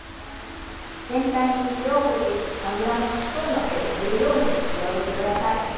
全体に塩をふって油もスプーンの背で塗るように広げて下さい。